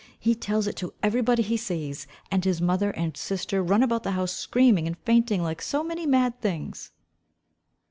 He tells it to every body he sees; and his mother and sister run about the house screaming and fainting like so many mad things."